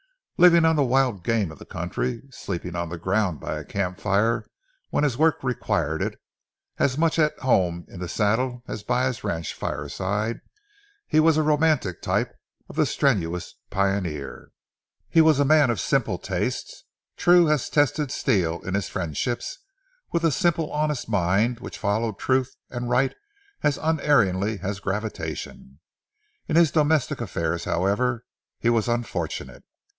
Living on the wild game of the country, sleeping on the ground by a camp fire when his work required it, as much at home in the saddle as by his ranch fireside, he was a romantic type of the strenuous pioneer. He was a man of simple tastes, true as tested steel in his friendships, with a simple honest mind which followed truth and right as unerringly as gravitation. In his domestic affairs, however, he was unfortunate.